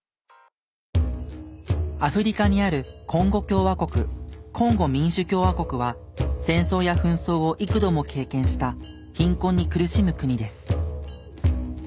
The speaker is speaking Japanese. アフリカにあるコンゴ共和国コンゴ民主共和国は戦争や紛争を幾度も経験した貧困に苦しむ国です。